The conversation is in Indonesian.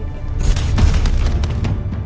tidak akan ada david david yang lain